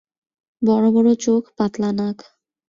বড়-বড় চোখ, পাতলা নাক।